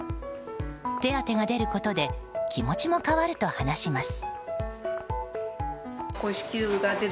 手当が出ることで気持ちも変わると話します。